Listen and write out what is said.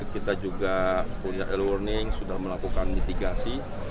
kita juga punya e learning sudah melakukan mitigasi